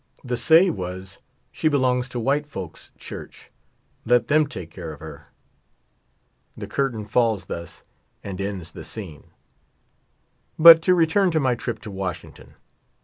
The say was : "She belongs to white folks' church, let them take care of her." The curtain falls thus, and ends the scene. But to return to my trip to Washington.